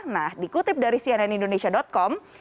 nah dikutip dari cnn indonesia com